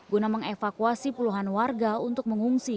guna mengevakuasi puluhan warga untuk mengungsi